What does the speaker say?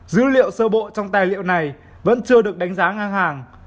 dữ liệu sơ bộ trong tài liệu này vẫn chưa được đánh giá ngang hàng